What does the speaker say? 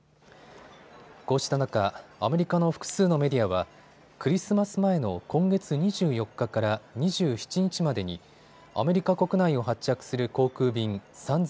こうした中、アメリカの複数のメディアはクリスマス前の今月２４日から２７日までにアメリカ国内を発着する航空便３０００